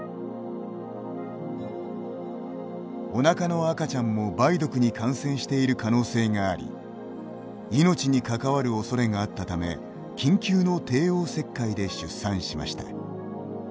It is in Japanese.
おなかの赤ちゃんも梅毒に感染している可能性があり命に関わるおそれがあったため緊急の帝王切開で出産しました。